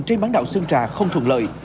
trên bán đảo sơn trà không thuận lợi